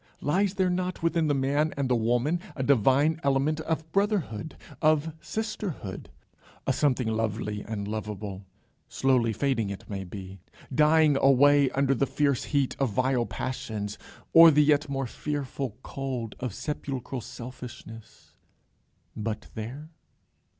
Lies there not within the man and the woman a divine element of brotherhood, of sisterhood, a something lovely and lovable, slowly fading, it may be, dying away under the fierce heat of vile passions, or the yet more fearful cold of sepulchral selfishness but there?